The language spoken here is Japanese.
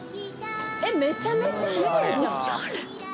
めちゃめちゃキレイじゃん。